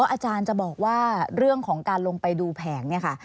อาจารย์จะบอกว่าเรื่องของการลงไปดูแผงเนี่ยค่ะ